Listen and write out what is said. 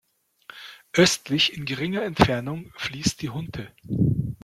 Östlich in geringer Entfernung fließt die Hunte.